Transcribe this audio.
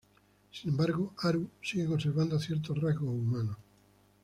Sin embargo, Haru sigue conservando ciertos rasgos humanos.